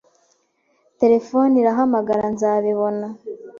"Terefone irahamagara Nzabibona."